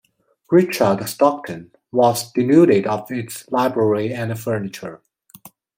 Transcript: Richard Stockton, was denuded of its library and furniture.